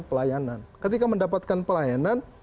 pelayanan ketika mendapatkan pelayanan